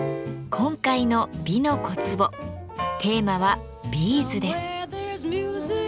今回の「美の小壺」テーマは「ビーズ」です。